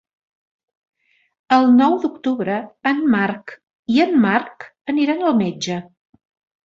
El nou d'octubre en Marc i en Marc aniran al metge.